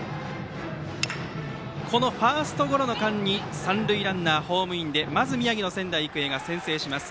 ファーストゴロの間に三塁ランナーがホームインでまず宮城の仙台育英が先制します。